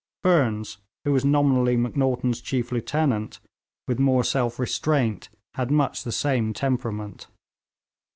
Burnes, who was nominally Macnaghten's chief lieutenant, with more self restraint, had much the same temperament.